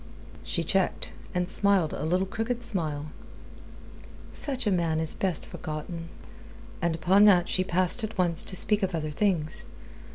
She checked, and smiled a little crooked smile. "Such a man is best forgotten." And upon that she passed at once to speak of other things.